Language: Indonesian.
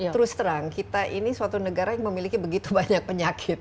terus terang kita ini suatu negara yang memiliki begitu banyak penyakit